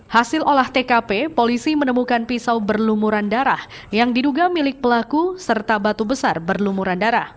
hasil olah tkp polisi menemukan pisau berlumuran darah yang diduga milik pelaku serta batu besar berlumuran darah